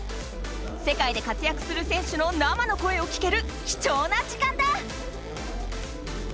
世界で活躍する選手の「ナマの声」を聞けるきちょうな時間だ！